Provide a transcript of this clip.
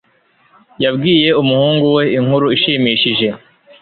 Yabwiye umuhungu we inkuru ishimishije.